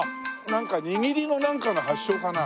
握りのなんかの発祥かな？